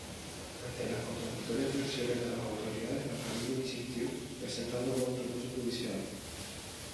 Ante las contradictorias versiones de las autoridades, la familia insistió presentando nuevos recursos judiciales.